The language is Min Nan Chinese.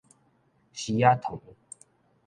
匙仔糖